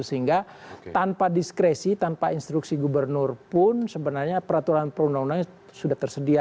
sehingga tanpa diskresi tanpa instruksi gubernur pun sebenarnya peraturan perundang undangnya sudah tersedia